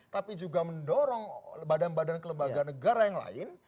tapi juga mendorong badan badan kelembagaan negara yang lain